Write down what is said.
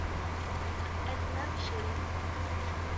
Ez nebişirîm.